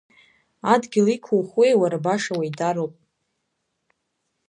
Адгьыл иқәухуеи, уара, баша уеидароуп.